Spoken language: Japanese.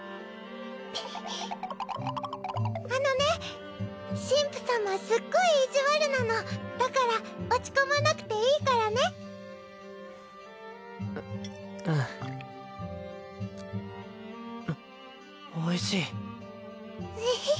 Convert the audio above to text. あのね神父様すっごい意地悪なのだから落ち込まなくていいからねううんおいしいエヘヘ